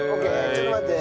ちょっと待って。